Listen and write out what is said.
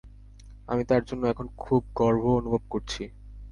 আমি তার জন্য এখন খুব গর্ব অনুভব করছি।